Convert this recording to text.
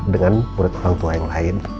dengan murid orang tua yang lain